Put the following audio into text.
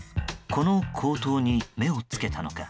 この高騰に目をつけたのか。